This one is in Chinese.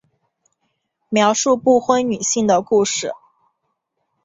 描述不婚女性的故事。